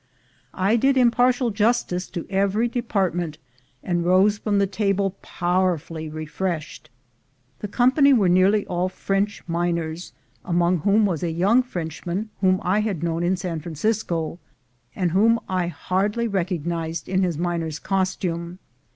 I did impartial justice to every depart ment, and rose from the table powerfully refreshed. The company were nearly all French miners, among whom was a young Frenchman whom I had known in San Francisco, and whom I hardly recognized in his miner's costume.